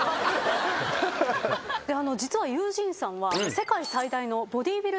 実はユージーンさんは。